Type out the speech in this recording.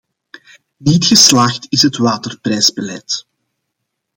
Niet geslaagd is het waterprijsbeleid.